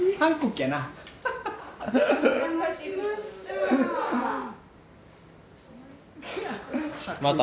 お邪魔しました。